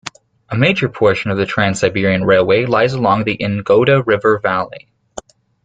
A major portion of the Trans-Siberian Railway lies along the Ingoda River valley.